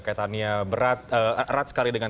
keetannya erat sekali dengan